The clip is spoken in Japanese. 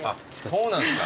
そうなんですか。